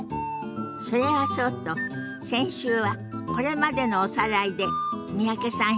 それはそうと先週はこれまでのおさらいで三宅さん